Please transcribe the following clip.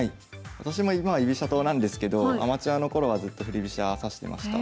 私も今は居飛車党なんですけどアマチュアの頃はずっと振り飛車指してました。